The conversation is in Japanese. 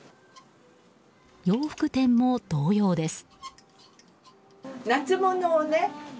洋服店も同様です。